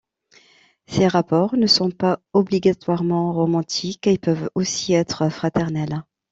Ces rapports ne sont pas obligatoirement romantiques, ils peuvent aussi être fraternels.